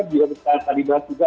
juga bisa dibahas juga